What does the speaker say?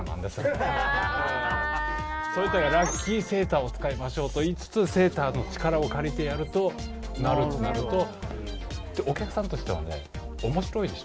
ラッキーセーターを使いましょうと言いつつ、セーターの力を借りてやると、お客さんとしては面白いでしょ？